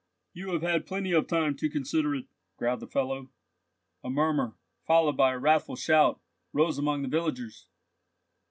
"You have had plenty of time to consider it," growled the fellow. A murmur, followed by a wrathful shout, rose among the villagers.